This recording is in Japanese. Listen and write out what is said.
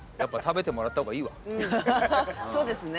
そうですね。